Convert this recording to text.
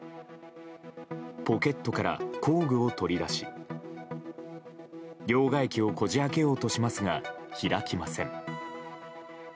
ポケットから工具を取り出し両替機をこじ開けようとしますが開きません。